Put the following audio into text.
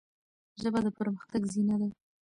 ژبه د پرمختګ زینه ده.